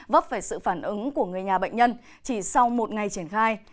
vấp phải sự phản ứng của người nhà bệnh nhân chỉ sau một ngày triển khai